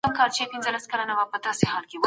حقوقپوهانو به نړیوال اصول منل.